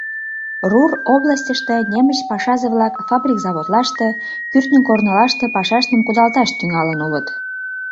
Рур областьыште немыч пашазе-влак фабрик-заводлаште, кӱртньӧ корнылаште пашаштым кудалташ тӱҥалын улыт.